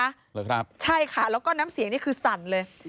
เหรอครับใช่ค่ะแล้วก็น้ำเสียงนี่คือสั่นเลย